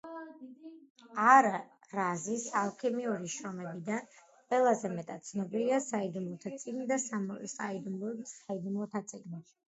არ-რაზის ალქიმიური შრომებიდან ყველაზე მეტად ცნობილია „საიდუმლოთა წიგნი“ და „საიდუმლოების საიდუმლოთა წიგნი“.